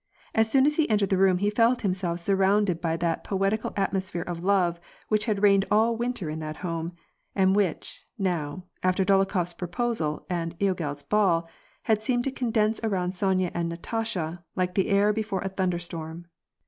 As soon as he entered the room he felt himself surrounded by that poetical atmosphere of love which had reigned all winter in that home, and which, now, after Dolokhofs proposal and logel's ball^ had seemed to condense around Sonya and Natasha, like the air before a thunderstorm.